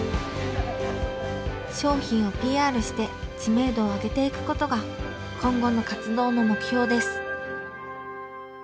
商品をＰＲして知名度を上げていくことが今後の活動の目標です。